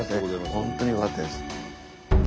本当によかったです。